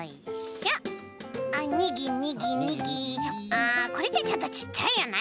あこれじゃちょっとちっちゃいよね。